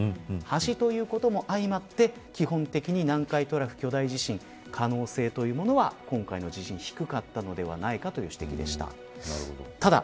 端ということも相まって基本的に、南海トラフ巨大地震の可能性というものは今回の地震はひどかったのではないかという指摘でした。